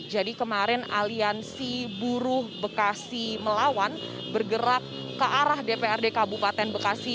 jadi kemarin aliansi buruh bekasi melawan bergerak ke arah dprd kabupaten bekasi